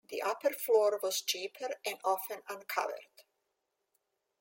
The upper floor was cheaper and often uncovered.